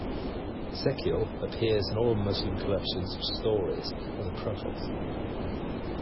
Ezekiel appears in all Muslim collections of "Stories of the Prophets".